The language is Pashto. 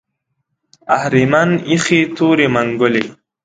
اهریمن ایښې تورې منګولې